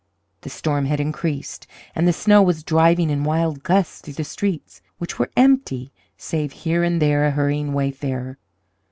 The storm had increased, and the snow was driving in wild gusts through the streets, which were empty, save here and there a hurrying wayfarer.